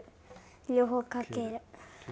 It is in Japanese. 両方かける。